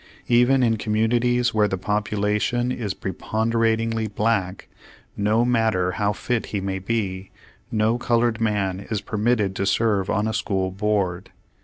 Even in communities where the population is pre ponderatingly black, no matter how fit he may be, no colored man is permitted to serve on a school board.